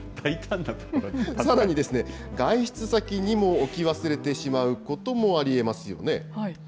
さらに、外出先にも置き忘れてしまうこともありえますよね。